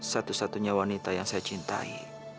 satu satunya wanita yang saya cintai